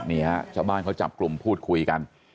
นี่ฮะชาวบ้านเขาจับกลุ่มพูดคุยกัน